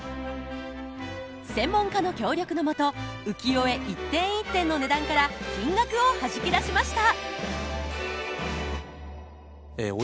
専門家の協力の下浮世絵一点一点の値段から金額をはじき出しました！